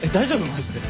マジで。